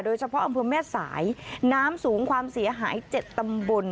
อำเภอแม่สายน้ำสูงความเสียหาย๗ตำบล